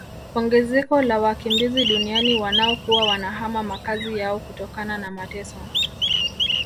Ongezeko la wakimbizi duniani wanaokuwa wanahama makazi yao kutokana na mateso